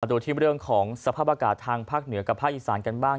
ดูที่เรื่องของสภาพอากาศทางภาคเหนือกับภาคอีสานกันบ้าง